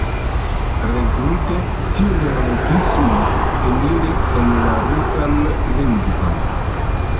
Rezulte, tiu neologismo eniris en la rusan lingvon.